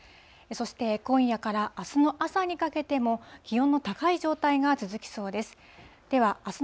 そして今夜からあすの朝にかけても、気温の高い状態が続きそうです。